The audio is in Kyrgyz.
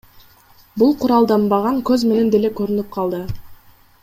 Бул куралданбаган көз менен деле көрүнүп калды.